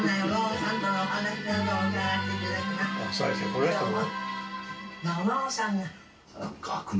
この人も。